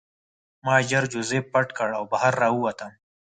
ما ژر جوزف پټ کړ او بهر راووتم